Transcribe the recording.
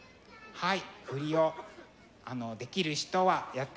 はい。